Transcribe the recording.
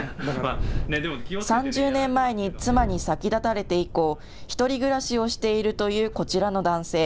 ３０年前に妻に先立たれて以降、１人暮らしをしているというこちらの男性。